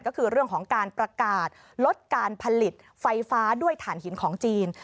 ก็คือเรื่องของการประกาศลดการผลิตไฟฟ้าด้วยฐานหินของจีน